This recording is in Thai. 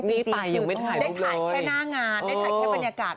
ได้ถ่ายแค่หน้างานได้ถ่ายแค่บรรยากาศ